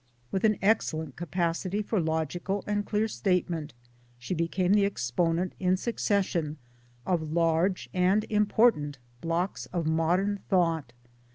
With an excellent capacity for logical and clear statement she became thje exponent in succession of large and important blocks of modern thought.